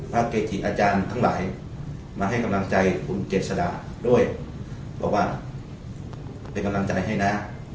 เกจิอาจารย์ทั้งหลายมาให้กำลังใจคุณเกษดาด้วยบอกว่าเป็นกำลังใจให้นะ